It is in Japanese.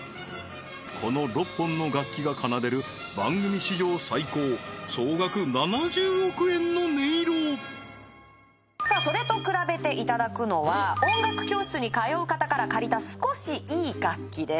この６本の楽器が奏でる番組史上最高さあそれと比べていただくのは音楽教室に通う方から借りた少しいい楽器です